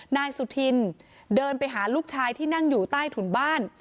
นายสุธินเดินไปหาลูกชายที่นั่งอยู่ใต้ถุนบ้าน